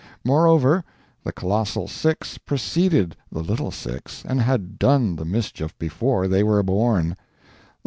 Moreover, the colossal six preceded the little six and had done the mischief before they were born.